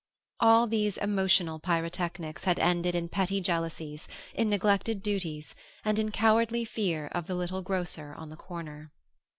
All these emotional pyrotechnics had ended in petty jealousies, in neglected duties, and in cowardly fear of the little grocer on the corner.